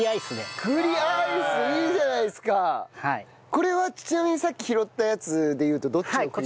これはちなみにさっき拾ったやつでいうとどっちの栗で？